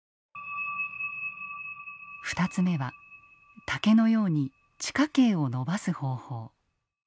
２つ目は竹のように地下茎を伸ばす方法。